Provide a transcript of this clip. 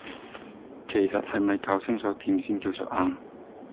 其實係咪攪清楚點先叫做啱